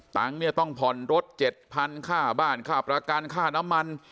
ตังค์เนี่ยต้องผ่อนรถ๗๐๐ค่าบ้านค่าประกันค่าน้ำมัน